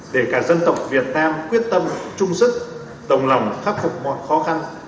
để cả dân tộc việt nam quyết tâm chung sức đồng lòng khắc phục mọi khó khăn